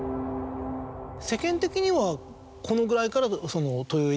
世間的にはこのぐらいから。